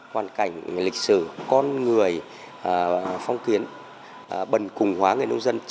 hoàn cảnh lịch sử con người phong kiến bần cùng hóa người nông dân